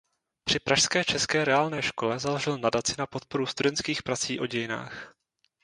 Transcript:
Při pražské české reálné škole založil nadaci na podporu studentských prací o dějinách.